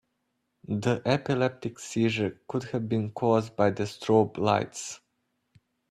The epileptic seizure could have been cause by the strobe lights.